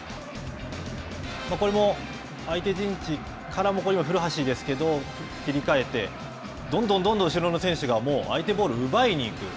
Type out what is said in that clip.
これも相手陣地から、今、古橋ですけど、切り替えて、どんどんどんどん後ろの選手が、相手ボールを奪いに行く。